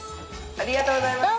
ありがとうございます。